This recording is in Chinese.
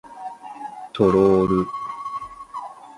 欧拉似乎也提出可以对后者级数的每项求导。